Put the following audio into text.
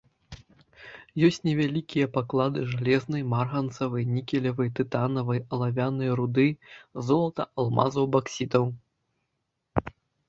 Ёсць невялікія паклады жалезнай, марганцавай, нікелевай, тытанавай, алавянай руды, золата, алмазаў, баксітаў.